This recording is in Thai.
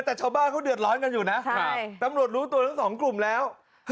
แต่ชาวบ้านเขาเดือดร้อนกันอยู่นะตำรวจรู้ตัวทั้งสองกลุ่มแล้ว